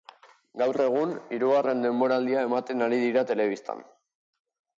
Gaur egun, hirugarren denboraldia ematen ari dira telebistan.